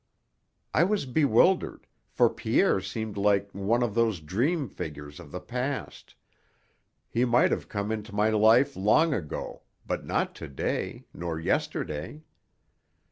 I was bewildered, for Pierre seemed like one of those dream figures of the past; he might have come into my life long ago, but not to day, nor yesterday.